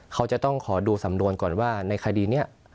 เขาจะต้องขอดูสำนวนก่อนว่าในคดีนี้